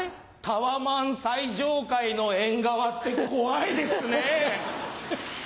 タワマン最上階の縁側って怖いですねぇ。